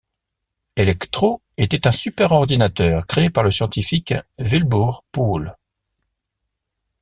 Elektro était un super-ordinateur créé par le scientifique Wilbur Poole.